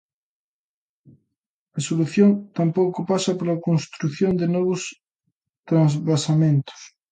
A solución tampouco pasa pola construción de novos transvasamentos.